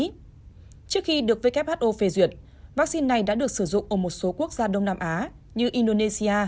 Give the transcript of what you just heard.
trước khi được who phê duyệt vaccine này đã được sử dụng ở một số quốc gia đông nam á như indonesia